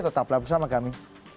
tetaplah bersama kami